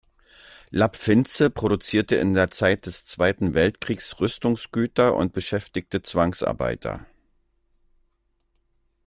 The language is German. Lapp-Finze produzierte in der Zeit des Zweiten Weltkriegs Rüstungsgüter und beschäftigte Zwangsarbeiter.